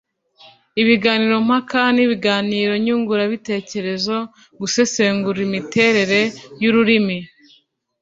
ibiganiro mpaka n’ibiganiro nyunguranabitekerezo. Gusesengura imiterere y’ururimi